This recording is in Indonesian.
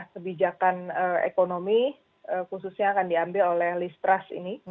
sebijakan ekonomi khususnya akan diambil oleh listras ini